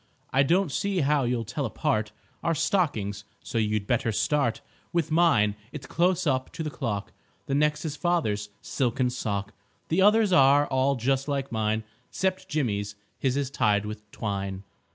I don't see how you'll tell apart Our stockings, so you'd better start With mine; it's close up to the clock; The next is father's silken sock; The others all are just like mine, 'Cept Jimmy's his is tied with twine.